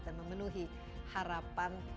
dan memenuhi harapan